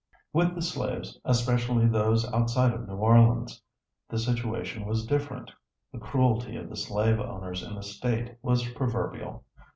With the slaves, especially those outside of New Orleans, the situation was different. The cruelty of the slave owners in the State was proverbial.